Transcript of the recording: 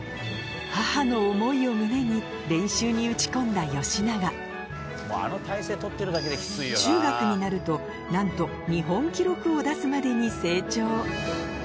母の思いを胸に練習に打ち込んだ吉永中学になるとなんと日本記録を出すまでに成長